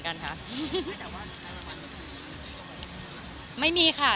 ยังไม่ตอบค่ะ